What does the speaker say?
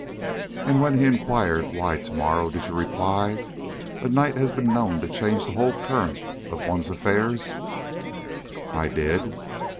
"And when he inquired: 'Why to morrow?' did you reply: 'A night has been known to change the whole current of one's affairs'?" "I did."